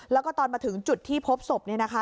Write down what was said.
แล้วก็ตอนมาถึงจุดที่พบศพเนี่ยนะคะ